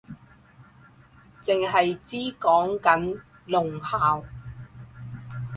剩係知講緊聾校